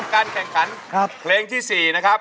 การแข่งขันเพลงที่๔นะครับ